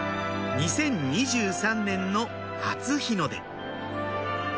２０２３年の初日の出